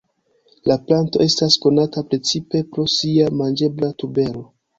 La planto estas konata precipe pro sia manĝebla tubero.